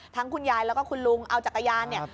คุณยายแล้วก็คุณลุงเอาจักรยานเนี่ย